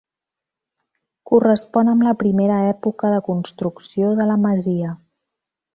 Correspon amb la primera època de construcció de la masia.